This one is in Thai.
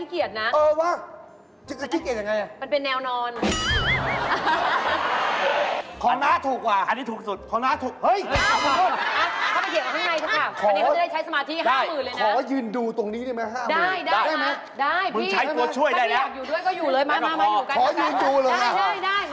เห้ยหลวงนั้นจะถูกของผมนี่